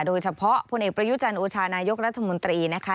โดยเฉพาะพลเอกประยุจันทร์โอชานายกรัฐมนตรีนะคะ